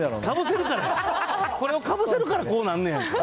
かぶせるからや、これをかぶせるからこうなるんや。